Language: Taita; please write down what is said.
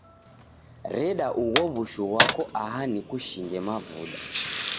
Reda ugho w'ushu ghwako aha nikushinge mavuda